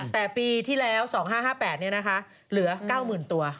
แต่ปีที่แล้ว๒๕๕๘นี้นะคะเหลือ๙๐๐๐๐ตัว